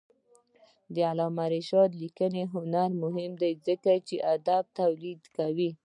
د علامه رشاد لیکنی هنر مهم دی ځکه چې ادبي تولید کوي.